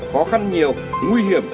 khó khăn nhiều nguy hiểm